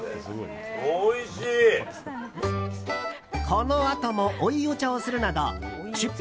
このあとも追いお茶をするなど出費